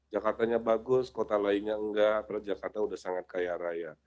jakartanya bagus kota lainnya enggak apalagi jakarta sudah sangat kaya raya